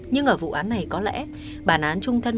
nhưng ở vụ án này có lẽ bản án trung thân